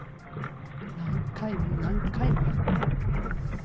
何回も何回もやった。